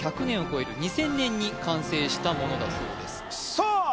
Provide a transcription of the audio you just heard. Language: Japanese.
１００年を迎える２０００年に完成したものだそうですさあ